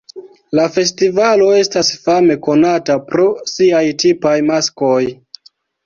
La festivalo estas fame konata pro siaj tipaj maskoj.